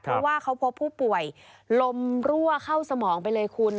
เพราะว่าเขาพบผู้ป่วยลมรั่วเข้าสมองไปเลยคุณ